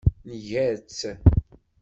Nga-tt.